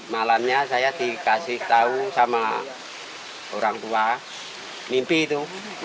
malamnya saya dikasih tahu sama orang tua mimpi itu